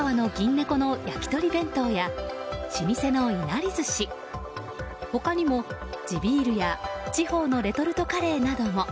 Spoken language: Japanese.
ねこの焼き鳥弁当や老舗のいなり寿司他にも、地ビールや地方のレトルトカレーなども。